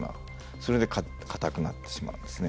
それで固くなってしまうんですね。